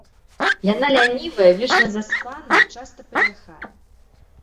Яна лянівая, вечна заспаная, часта пазяхае.